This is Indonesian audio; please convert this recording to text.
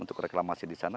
untuk reklamasi di sana